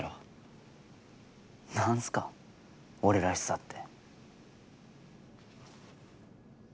何すか俺らしさって。